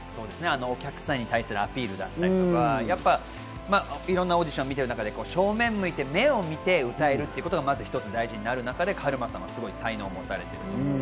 お客さんに対するアピールだったりとか、いろんなオーディションを見る中で正面向いて目を見て歌えるということが、まず一つ大事になる中で、カルマさんは才能を持たれています。